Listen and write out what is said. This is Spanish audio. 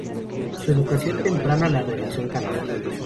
Su educación temprana la realizó en Canadá.